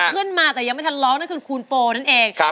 ขึ้นมาแต่ยังไม่ทันร้องนั่นคือคูณโฟนั่นเอง